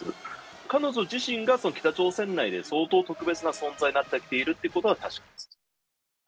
彼女自身が北朝鮮内で相当特別な存在になってきているということ